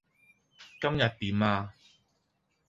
今日點呀？